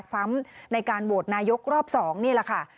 ซ้ำในการโหวตนายกรอบ๒นี่แหละค่ะ